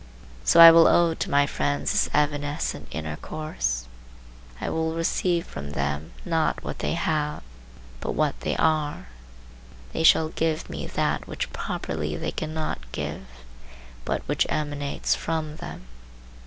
So I will owe to my friends this evanescent intercourse. I will receive from them not what they have but what they are. They shall give me that which properly they cannot give, but which emanates from them.